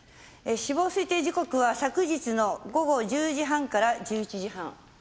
死亡推定時刻は昨日の午後１０時半から１１時半。